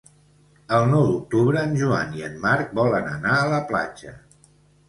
El nou d'octubre en Joan i en Marc volen anar a la platja.